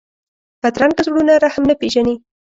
بدرنګه زړونه رحم نه پېژني